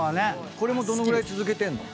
これもどのぐらい続けてんの？